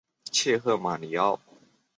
切赫巴尼奥。